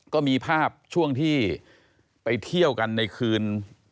ก็มีภาพช่วงที่ไปเที่ยวกันในคืน